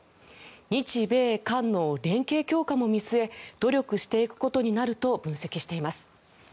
日米韓の連携強化も見据え努力していくことになると分析しています。